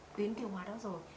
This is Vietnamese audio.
tuyến tiêu hóa đó rồi